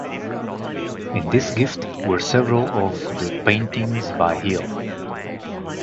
In this gift were several of the paintings by Healy.